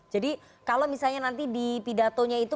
jadi kalau misalnya nanti di pidatonya itu